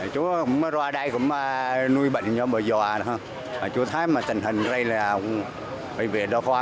chúng tôi ra đây nuôi bệnh bởi doa chúng tôi thấy tình hình này là bệnh viện đó khóa